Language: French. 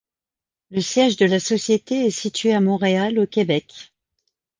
Le siège de la société est situé à Montréal, au Québec.